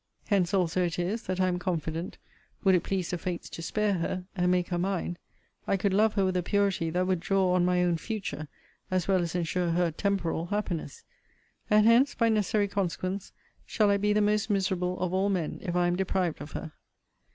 Hence also it is that I am confident (would it please the Fates to spare her, and make her mine) I could love her with a purity that would draw on my own FUTURE, as well as ensure her TEMPORAL, happiness. And hence, by necessary consequence, shall I be the most miserable of all men, if I am deprived of her.